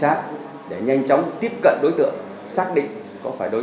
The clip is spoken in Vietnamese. giác để nhanh chóng tiếp cận đối tượng xác định có phải đối